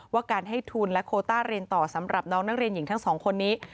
ว่าการให้ทุนและโคต้าเรียนต่อสำหรับน้องนักเรียนหญิงทั้งสองคนนี้